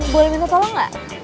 boleh minta tolong gak